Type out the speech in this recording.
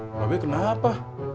mbak be kenapa